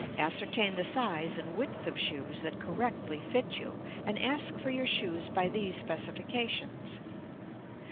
Ascertain the size and width of shoes that correctly fit you, and ask for your shoes by these specifications.